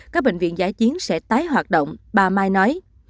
các bệnh viện giã chiến sẽ tái hoạt động bà mai nói